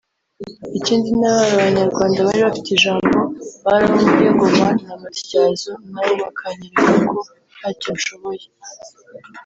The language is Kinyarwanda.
Ikindi n’abari abanyarwanda bari bafite ijambo bari abo muri Ngoma na Matyazo nabo bakanyereka ko ntacyo nshoboye